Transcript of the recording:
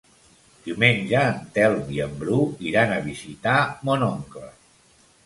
Diumenge en Telm i en Bru iran a visitar mon oncle.